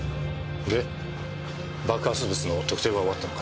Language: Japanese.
で爆発物の特定は終わったのか？